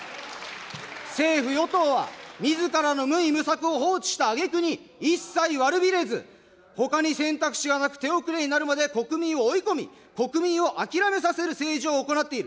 政府・与党は、みずからの無為無策を放置したあげくに、一切悪びれず、ほかに選択肢はなく、手遅れになるまで、国民を追い込み、国民を諦めさせる政治を行っている。